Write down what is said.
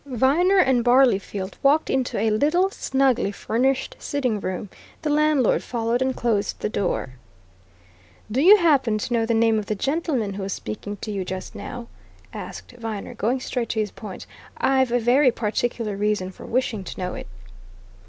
Viner and Barleyfield walked into a little snugly furnished sitting room; the landlord followed and closed the door. "Do you happen to know the name of the gentleman who was speaking to you just now?" asked Viner, going straight to his point. "I've a very particular reason for wishing to know it."